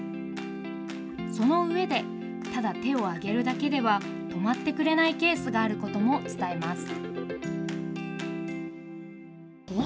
その上でただ手をあげるだけでは止まってくれないケースがあることも伝えます。